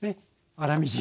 粗みじん。